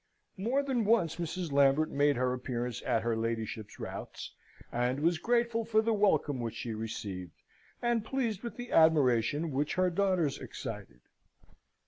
More than once Mrs. Lambert made her appearance at her ladyship's routs, and was grateful for the welcome which she received, and pleased with the admiration which her daughters excited.